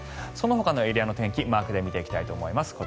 そのほかのエリアの天気マークで見ていきたいと思います。